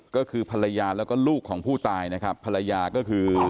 ก็คือภรรยาแล้วก็ลูกของผู้ตายนะครับภรรยาก็คือ